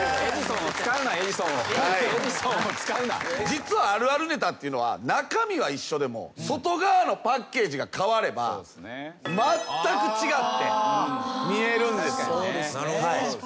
実はあるあるネタっていうのは中身は一緒でも外側のパッケージが変わればまったく違って見えるんですよ。